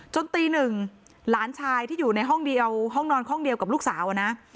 ตีหนึ่งหลานชายที่อยู่ในห้องเดียวห้องนอนห้องเดียวกับลูกสาวนะ